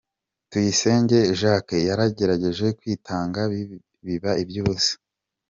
Tuyisenge Jacques yagerageje kwitanga biba iby'ubusa.